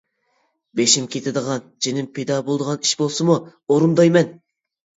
بېشىم كېتىدىغان، جېنىم پىدا بولىدىغان ئىش بولسىمۇ ئورۇندايمەن!